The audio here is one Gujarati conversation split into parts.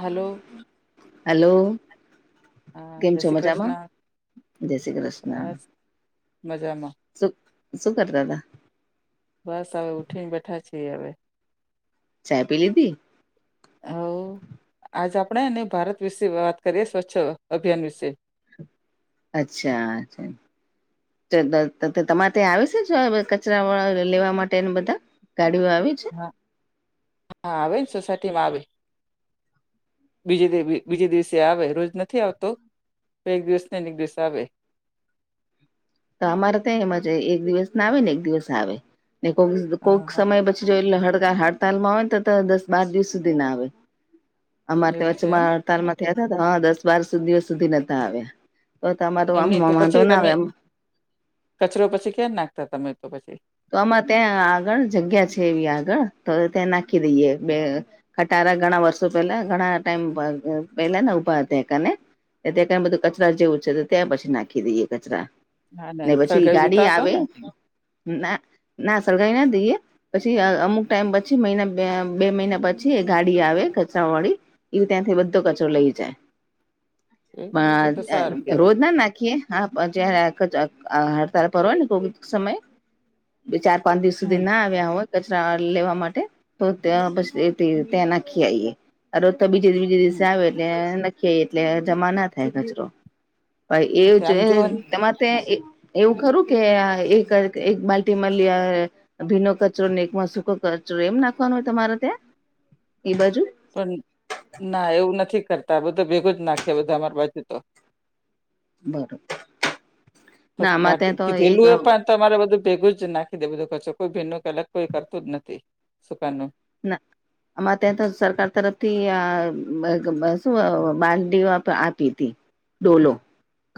હલો હલો હા કેમ જય છો શ્રી મજામાં કૃષ્ણ જય શ્રી કૃષ્ણ. બસ મજામાં સુું સુું કર તાતા. બસ હવે ઊઠીને બેઠા છીએ હવે. ચાય પી લીધી? હવ આજ આપણેે ને ભારત વિશે વાત કરીએ સ્વચ્છ અભિયાન વિશે અચ્છા તમારે ત્યાં આવી છે કચરા વાળા લેવા માટે બધા ગાડીઓ આવી છે? હા હા આવે ને સોસાયટીમાં આવે બીજ બીજે દિવસે આવે રોજ નથી આવતો તો એક દિવસ ને અને એક દિવસ આવે તો અમારે ત્યાં એમાં એક દિવસ ના આવે ને એક દિવસ આવે ને કોઈક હા કોઈક હા સમય પછી જો એટલે હડ હડતાલ માં આવેય ને તો દસ બાર દિવસ સુધી ના આવે. અમારે એવું છે એમ વચ્ચેમાં હડતાલમાં થયા હતા હા દસ બાર દિવસ સુધી નોતા આવ્યા તો તમારું એમની આમમાં તો પછી ના તમે આવે એમ કચરો પછી કેમ નાખતા તમે તો પછી? તો આમાં ત્યાં આગળ જગ્યા છે એવી આગળ તો ત્યાં નાખી દઈએ બે ખટારા ઘણા વર્ષો પેલા ઘણા ટાઈમ પેલા ને ઉભા હતાને તં ક બધું કચરા જેવું છે તો ત્યાં પછી નાખી દઈએ કચરા. હા ને પછી સળગાવી ગાડી દેતા હશો આવે ને ના ના સળગાઈ ના દઈએ પછી અમુક ટાઈમ પછી મહિના બે મહિના પછી એ ગાડી આવે કચરા વાળી એ ત્યાંથી બધો કચરો લઈ જાય એ તો તો સારું પણ કેવાય રોજ ના નાખીએ હા જય્યારે આ જ હડતાળ પરવા ને કોક સમય બે ચાર પાંચ દિવસ સુધી હમ ના હોય કચરા લેવા માટે તો ત્યા પછી ત્યાં નાખી આઈએ. રોજ તો બીજે બીજે દિવસે હમ આવે એટલે નખી એટલે જમા ના થાય કચરો ભાઈ એ તે જ આમ જોઓ ને તમારે હા, એવું ખરું કે એક એક બાલ્ટી મલિયા ભીનો કચરો એકમાં સૂકો કચરો એમ નાખવાનો હોય તમારે ત્યાં એ બાજુ પણ ના એવું નથી કરતા બધો ભેગું જ નાખે બધું અમાર બાજુ તો બરોબર તો ના અમારે કાટ ત્યાં તો એક કીધેલું એ પાંચ તમારે બધું ભેગું જ નાખી દે બધું કચો કોઈ ભીન્નું કે અલગ કોઈ કરતું જ નથી સુકાન નું. ના અમાં ત્યાં તો સરકાર તરફથી આ શું બાલ્ટી આપી હતી. ડોલો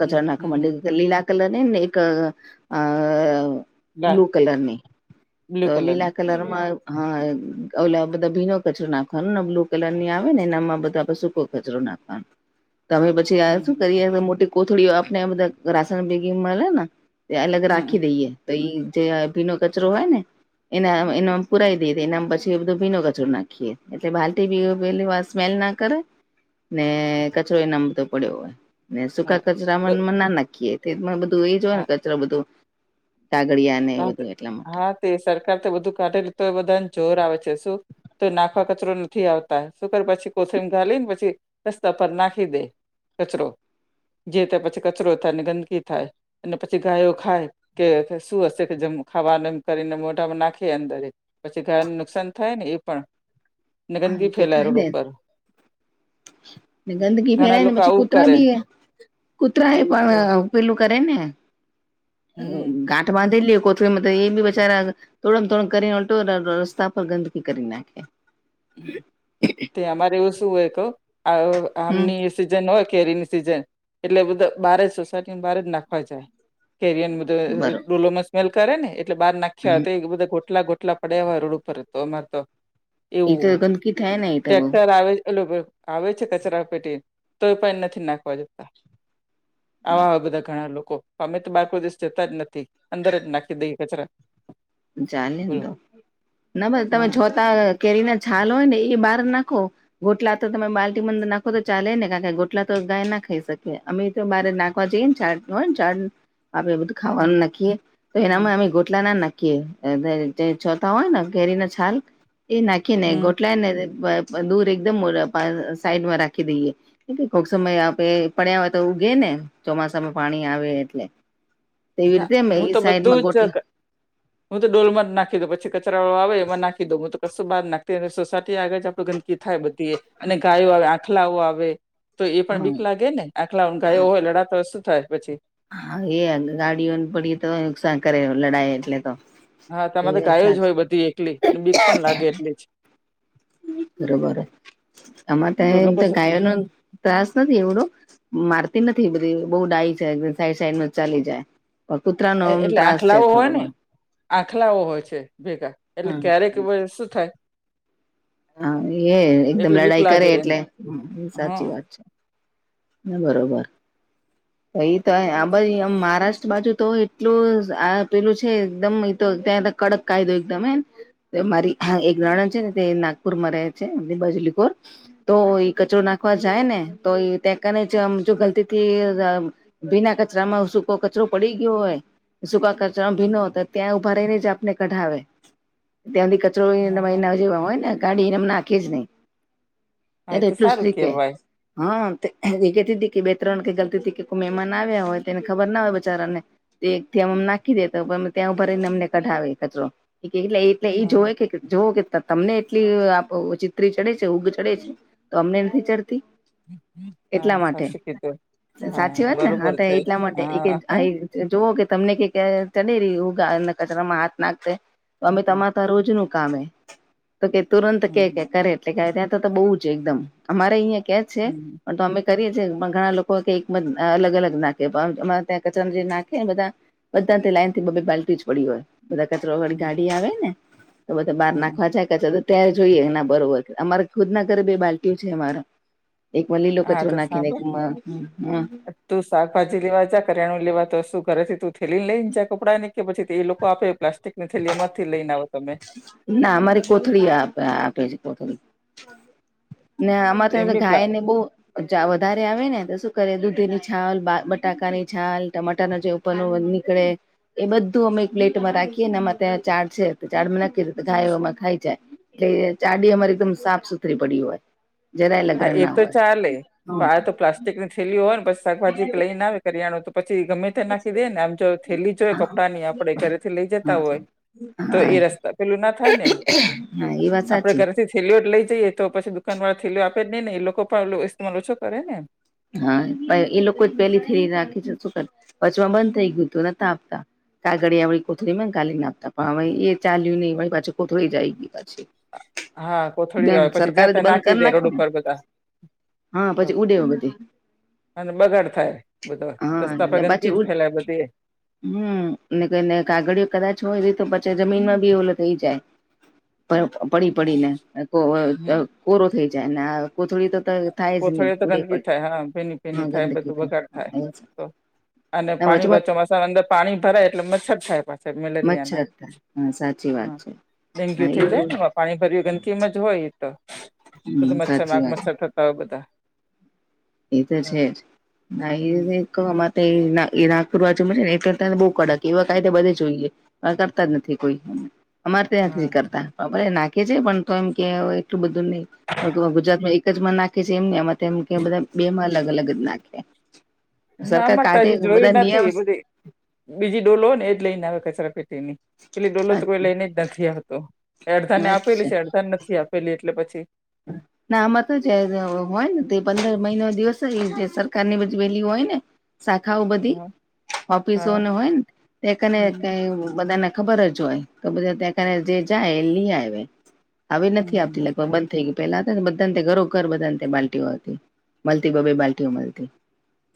હમ હમ હમ નાખમંડી લીલા કલર ને ને એક આ લાલ બ્લુ કલરની બ્લુ તો કલરનું લીલા હા. કલરમાં હા ઓલા બધો ભીનો કચરો નાખવાનોને બ્લુ કલર ની આવે ને એ આમાં બધા સૂકો કચરો નાખવાનો. તમે પછી હમ શું હમ કરી મોટી કોથળી આપને બધા રાસણ ભેગી મળે ને તે અલગ હમ હમ. રાખી દઈએ. તો એ જે ભીનો કચરો હોય ને એના એનો પુરાઈ દે એનામ પછી બધો ભીનો કચર નાખીએ એટલે બાલ્ટી બી પેલી વાસ સ્મેલ ના કરે. ને કચરો એનામતો પડ્યો હોય. ને હા સુકા કચરા બ ના નાખીએ તે પણ બધું એ જ હોય ને હા કચરો બધો. કાગડિયા ને એ હા તે બધું એટલા માટે. હા તે સરકાર બધું કાઢેલું તો એ બધાને જોર આવે છે શું તો નાખવા કચરો નથી આવતા સુકર પછી કોથળીમ ગાલીને પછી રસ્તા પર નાખી દેઈ કચરો જે તે પછી કચરો થાયને ગંદકી થાય અને પછી ગાયો ખાય કે શું હશે કે જેમ ખાવાનું એમ કરીને મોઢામાં નાખે અંદર પછી ગાયને નુકસાન થાય ને એ પણ ગંદગી ફેલાય રોડ ઉપર ગંદગી ઘણા ફેલાય ને લોકો પછી આવું કુતરા કરે ભી કૂતરા એ પણ તો પેલું કરે ને હમ તો બાંધેલી એ કોથળીમાં તો એ બેચારા તોડમ- તોડ કરીને ઉલટો ર રસ્તા પર ગંદકી કરી નાખે તે અમારે એવું શું હોય કહું અ હમ આમની સીઝન હોય કેરીની સીઝન એટલે બધા બહાર જ સોસાયટીને બહાર જ નાખવા જાય કેરી બરો ડોલોમાં સ્મેલ કરે ને એટલે બાર નાખ્યા હોય તો બધા ગોટલા ગોટલા પડ્યા હોય રોડ ઉપર તો અમારે તો એ એવું તો હોય ગંદકી થાય ને એ તો બઉ ટ્રેક્ટર આવે આવે છે કચરા પેટી તો પા નથી નાખવા જતા આવા હોય બધા ઘણા લોકો અમે તો બારકોઈ દિવસ જતા જ નથી, અંદર જ નાખી દઈ કસારા ચાલી તો ના બસ તમે હમ જોતા કેરી ના છાલ હોય ને એ બહાર નાખો. ગોટલા તો તમે બાલ્ટી બંદ નાખો તો ચાલે ને કારણ ગોટલા તો ગાય ના ખાઈ શકે, અમે તો મારે ના કવા જેઈ ચા ચાર આપે બધું, ખાવાનું હમ નાખીએ તો હમ એનામાં અમે ગોટલા નાખ કે અ છોતા હોય ને કેરી ના છાલ એ નાખી ને હમ ગોટલા ને દૂર એકદમ સાઈડમાં રાખી દઈએ એટલે કોક સમય આપે પડ્યા હોય તે ઉગે ને ચોમાસામાં પાણી આવે એટલે એવી ના રીતે મે હું એ તો બધું સાઈડમાં જ ગોટલા હું તો ડોલમાં જ નાખી દઉ પછી કચરા વાળો આવે એમા નાખી દઉ હું તો કશું બાહાર નાખતી અને સોસાયટી આગળ જ આપડું ગંદ કે થાય બધી એ અને ગાયો આવે આંખલાઓ આવે તો એ પણ હા બીક લાગે ને આખલા ગાય હોય લડાતો હોય શું થાય પછી હા, એ ગાડીઓને પડી તો નુકસાન કરે લડાઈ એટલે તો હા, તમારે એ ગાય સાચ જ હોય બધી એકલી બીક પણ લાગે, એટલી જ બરોબર અમારા ત્યા તો ગાયનું ત્રાસ નથી એવડો મારતી નથી, બધી બહુ ડાય છે સાઈડ સાઈડ ન ચાલી જાય કૂતરાનોમ એટલે ત્રાસ છે, હોય થોડો ને આંખલાઓ હોય છે, ભેગા એટલે ક્યારેક શું થાય. હા, એ એકદમ એટલે બીક લડાઈ કરે લાગે એને એટલે સાચી હા વાત છે, બરોબર પ તો આ [unintelligible] મહારાષ્ટ્ર બાજુ તો એટલું આ પેલું છે, એકદમ તો ત્યાં કડક કાયદો એકદમ એમ મારી હા એક નણંદ છે, ને તે નાગપુર માં રહે છે બજલીપોર તો ઈ કચરો નાખવા જાય ને તો એ કાને જ જો ગલતી થી ભીના કચરામાં શુંકો કચરો પડી ગયો હોય, સૂકા કચામાં ભીનો હા ત્યાં ઉભા રહીને જ આપને કઢાવે, ત્યાં સુધી હા [unintelligible] ના જેવા હોય ને ગાડી એને નાખી જ નહી. હા ત્યા એ તો એટલું સારું સ્ટ્રીક હે કેવાય હા, એ કેતી હતી કે બે ત્રણ કે ગલતી ત કે કોઈ મહેમાન આવ્યા હોય, તેને ખબર ના હોય બચારા ને ત્યામ નાખી ત્યાં ઉભારીને અમને કઢાવી કચરો એટલે એટલે એ હા હા જોવે કે જોઓ કે તમને કેટલી ચિત્રી ચડે છે, ઉગ ચડે છે તો અમને નથી ચડતી. હા એટલા માટે સાચું કીધું સાચી હા વાત ને હા બરોબર છે એટલા માટે હા જોઓ કે તમને ક ચડ [unintelligible] રહી કચરામાં હાથ નાખશે, તો અમે હમ તમારા ત રોજ ન કામ હે. તો કે તુરંત કે કરે હમ એટલે કે ત્યાં તો તો બહુ જ એકદમ અમારે અહિયાં કે છે, હમ પણ અમે કરીએ છીએ પણ ઘણા લોકો કે અલગ અલગ નાખે પણ ત્યાં કચરા જે નાખે બધા બધા લાઈનથી બ બાલ્ટી જ પડી હોય, બધા કચરો વાળી હમ ગાડી આવે ને તો બધા બાર હમ નાખવા ચા કાચા તો ત્યારે જોઈએ, એના બરોબર અમારે ખુદ ના ઘરે બે બાલ્ટઓ છે અમારે એકમાં લીલો હા કચરો તો નાખીને એક સાંભળ મા તું શાકભાજી લેવા જા કરિયાણું લેવા તો તું ઘરેથી તું થેલી લઈ ને જ કપડા ને કે પછી તે એ લોકો આપે પ્લાસ્ટિકની થેલી માંથી લઈને આવો તમે ના અમારી કોથળી આપે આપે છે, કોથળી ને અમારે ત્યા એમની પ્લા ગાય ને બહુ વધારે આવે ને તો શું કરીએ દૂધી ની છાલ બટાકાની છાલ ટમાટરના જે પણ નીકળે, એ બધું અમે એક પ્લેટમાં રાખીએનેમાં ત્યાં ચાડ છે, ચાડમાં નાખી રે તો ગાયમાં ખાઈ જાય. એટલે ચાડી અમારે એકદમ સાફ સુથરી પડી હોય. જરાય હા, લગન એ ના તો હોય ચાલે હા પણ આ તો પ્લાસ્ટિક કની થેલી હોય ને પછ શાકભાજી લઈને આવે કરીયાણો તો પછી ગમે નાખી દે ને આમ જો થેલી જો હોય કપડાં ની આપડે ઘરે થી લઈ જતા હા હોય. તો હા એ રસ્તા પેલું ના થાય ને એમ હા એ વાત આપડે સાચી ઘરેથી થેલીઓ લઈ જઈએ તો પછી દુકાનમા થેલી આપે જ નહી એ લોકો પણ ઇસટમાલ ઓછો કરે ને હા એ લોકો જ પેલી થે રાખે છે, શું કર વચમાં બંધ થઈ ગયું હતું નતા આપતા કાગળળી કોથળીમાં ને ઘાલી ના આપતા પણ હવે, એ ચાલ્યું નહી પાછી કોથરીી જાય ગઈ પાછી હા, કોથળી બેન હોય પછી સરકારે જ જતા બંધ નાખી કરી દે નાખે રોડ ને ઉપર બધા હા, તો પછી ઉડે બધી અને બગાડ થાય બધો હા રસ્તા પર ગંદકી જ ફેલાય બધી એ હમ્મ ને કને કાગળઓ કદાચ હોય એી તો પછી જમીનમાં બી ઓલો થઈ જાય. પડી પડીને કો હમ કોરો થઈ જાય ને આ [inaudible] નહી કોથળે તો ઉડે ગંધકી પડે થાય હા ભેની ની હા થાય ગંદકી બધું વગાડ થાય તો અને પાણી વચમાં વચવા પાછળ અંદર પાણી ભરાય એટલે મચ્છર થાય પા મલેરિયા ના મચ્છર થાય હા સાચી વાત હ છે ડેન્ગ્યુ હા થઈ એ જાય પાણી ભર્યું ગંદકીમાં જ હોય તો બધું હમ મચ્છર સાચી માગૅ વાત મચ્છર થતા હોય બધા એ તો છે, જ ના હમ [inaudible] કડક એવા કાયદા બધે જોઈએ કરતા જ નથી કોઈ અમારે ત્યાં હા ની કરતા અરે નાખે છે, પણ તો એમ કે એટલું બધું ની ગુજરાત માં એક જમાં નાખે છે, એમ ને અમા તેમ કે બધા બે માં અલગ અલગ જ નાખે ના સરકાર અમર ત કાઢે હજી જોયી બધા નિયમ નથી બધી બીજી ડોલો ને એ જ લઈને આવે કચરા પેટીની પેલી ડોલો તો કોઈ લઈને જ નથી આવતો અડધાને આપેલી છે, અચ્છા. અડધાન નથી આપેલી એટલે પછી હા [inaudible] ના આમાં તો જે હોય ને તે પંદર મહિનો દિવસ એ જે સરકાર ની બજવેલી હોય ને શાખાઓ બધી હા હોફીસો હા હોય ન તે એકને હમ બધાને ખબર જ હોય તો બધા ત્યાકાને જે જાય લી આવે હવે નથી હમ આવતી લગભગ બ થઈ ગી પેલા હતા ને બધા ઘરો ઘર બધા ન તથા બાલ્ટીઓ આવતી મલતી બ બે બાલ્ટીઓ મલતી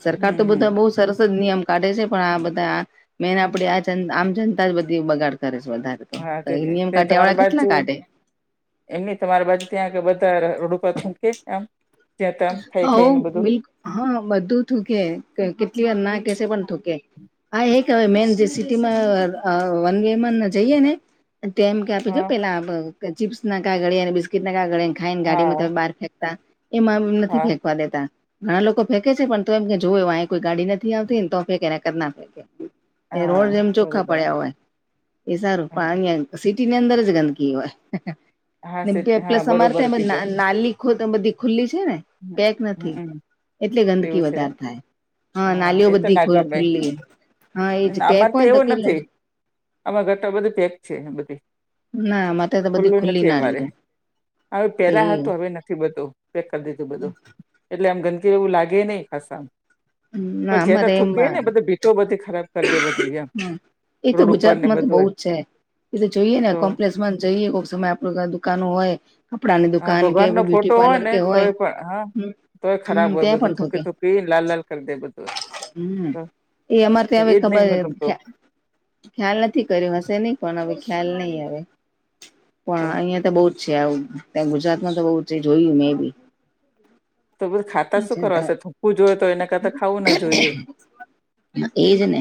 સરકાર તો હમ બધા બો સરસ જ નિયમ કાઢે છે, પણ આ હમ બધા આ મેન આપડે આ જન આમ જનતા જ બધી બગાડ કરે છે, વધારે તો હા તે નિયમ કાઢ્યા વાળા કેટલા કાઢે એમ ની તમાર બાજુ ત્યાં આગળ બધા રોડ ઉપર થૂંકે આમ ત્યાં ત્યાં ખાઈ ખાઈને હવ બધું બિલ્ક હ બધું થૂકે કેટલી વાર ના કેશે પણ થૂકે આ એક હવે મેન જે સી ટી માં અ વન વે માંન જઈએે ને તેમ કે આતો જ હા પેલા બ ચીપ્સ ના કાગળિયા અને બિસ્કીટ ના કાગળિયા ખાઈન હા ગાડીમાં બહાર ફેંકતા એમાં એમ નથી હા ફેંકવા દેતા ઘણા લોકો ફેંકે છે, પણ તો એમ કે જોયો અહી કોઈ ગાડી નથી આવતી તો ફેકે નેકર ના ફેકે એ રોડ હા જેમ ચોખ્ખા બરોબર પડ્યા હોય એ હા સારું [unintelligible] તીની અંદર જ ગંદકી હોય હા ને સ પ્લ હા પ્લસ અમારે બરોબર તયા બ ના કીધું નાલી [unintelligible] બધી ખુલ્લી છે, ને પેક નથી હમમ એટલે ગંદકી એવું છે વધારે થાય હા નાલીઓ એ તો બધી ના ખુ ગમે ખુલ્લી હા એજ પેક હોય તો કેલ આમાર ઘર બધું પેક છે, એ બધી ના અમારે તો બધી ખુલ્લું ખુલ્લી નથી અમારે નાલી હવે એ પેલા હતો હવે નથી બતો કરી દીધું બધું એટલે આમ ગંદકી એવું લાગે નય ખાસ આમ પ ના જે ત અમારે થૂકી એમાં ને બધી ભીતો બધી ખરાબ કરી દે બધી એમ એ તો રોડ ઉપર ગુજરાત ને માં તો બધું બોવ એ છે, એટલે જોઈએ ને તો કોમ્પ્લેસ જઈએ કોક સમય આપણ દુકાનો હોય કપડાની હા દુકાન કે ભગવાન નો ફોટો બ્યુટી હોય પાર્લર ને કે તોય પણ હા તોય ખરાબ હમ હોય ત્યાં બધું થુંકી થું કી લાલ લાલ કર દે બધું હમ્મ તો એ અમાર ત્યા એજ નહી મે ગમતો [unintelligible] ખ્યાલ નથી, કર્યો હશે નહીં પણ. હવે ખ્યાલ નહીં આવે, પણ અહિયાં તો બઉ જ છે આવું ત્યાં ગુજરાત માં તો બઉ છે, જોયું મેં બી. તો પછી ખાતા શું કરવાશે? થૂકવું જ હોય તો એને કરતા ખાવું ના જોઈએ. એજ ને,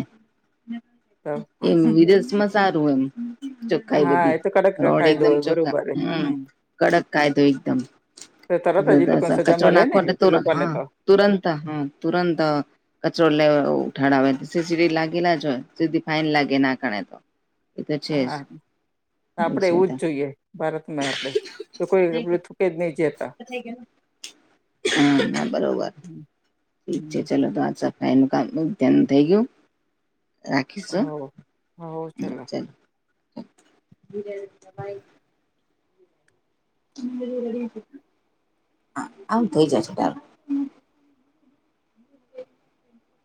તો એમ વિદેશમાં સારું એમ. ચોખ્ખાઈ હા બધી એ તો કડક રોડ કાયદો એકદમ હોય ચોખ્ખા બરોબર હમ્મ હમ કડક કાયદો એકદમ તો તરત જ એ લોકોને [unintelligible] સજા કચરો મળે ને નાખવા એ તુર લોકોને હા તો તુરંત હા તુરંત કચરો લે ઉઠાડાવે સીસીટીવી લાગેલા જ હોય સીધી ફાઈન લાગે ના ઘણે તો એ તો છે જ હા આપડે એવું જ જોઈએ ભારતને આપડે તો કોઈ આપડે થૂકે જ નહી જેતા થઈ ગેલો હા બરોબર. હમ ઠીક છે ચાલો તો આ સફાઈનું કામ [unintelligible] ધ્યાન થઇ ગ્યું. રાખીશું, હવ હવ હ ચલો ચલ. ભાઈ. હ, આમ થઈ જાય છટારુ.